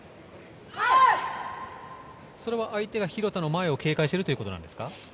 相手が廣田の前を警戒しているということですか？